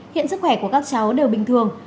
hiện sức khỏe của các cháu đều bình thường